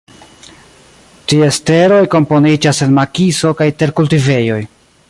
Ties teroj komponiĝas el makiso kaj terkultivejoj.